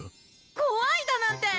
こわいだなんて！